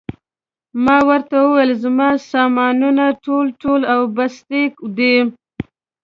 ما ورته وویل: زما سامانونه ټول، ټول او بستې دي.